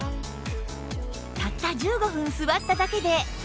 たった１５分座っただけでこの違い！